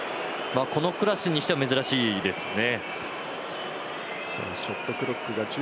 このクラスにしては珍しいですね。